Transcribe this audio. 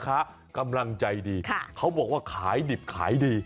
ค้ากำลังใจดีเขาบอกว่าขายดิบขายดี